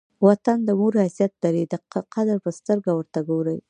وطن د مور حیثیت لري؛ د قدر په سترګه ور ته ګورئ!